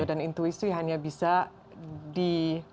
dan intuisi hanya bisa di